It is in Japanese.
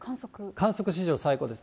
観測史上最高です。